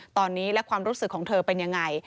ตอนนี้และความรู้สึกของเธอเป็นยังไง